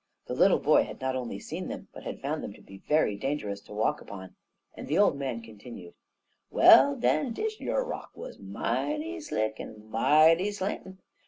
The little boy had not only seen them, but had found them to be very dangerous to walk upon, and the old man continued: "Well, den, dish yer rock wuz mighty slick en mighty slantin'.